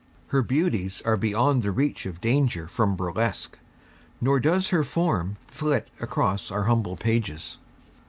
Her beauties are beyond the reach of danger from Burlesque, nor does_ her _form flit across our humble pages.